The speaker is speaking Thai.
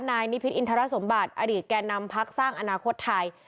นายนิพิษอินทรสมบัติอดีตแก่นำพักสร้างอนาคตไทย